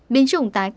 biến chủng tái tổ hợp